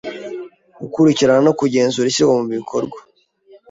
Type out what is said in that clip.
Gukurikirana no kugenzura ishyirwa mu bikorwa